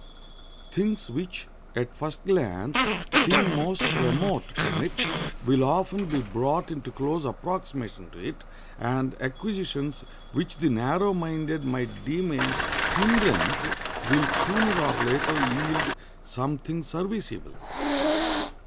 Things which, at first glance, seem most remote from it will often be brought into close approximation to it, and acquisitions which the narrow minded might deem a hindrance will sooner or later yield something serviceable.